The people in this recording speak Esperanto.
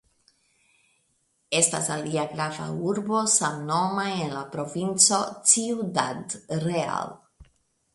Estas alia pli grava urbo samnoma en la Provinco Ciudad Real.